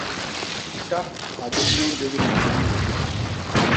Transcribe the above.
Ta a bé nyo ndigi binene.